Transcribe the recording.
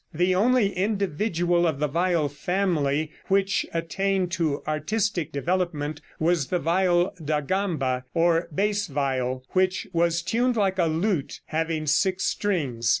The only individual of the viol family which attained to artistic development was the viol da Gamba, or bass viol, which was tuned like a lute, having six strings.